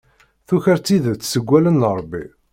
Tuker-d tidet seg wallen n Ṛebbi.